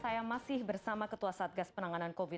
saya masih bersama ketua satgas penanganan covid sembilan belas